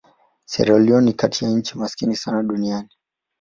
Sierra Leone ni kati ya nchi maskini sana duniani.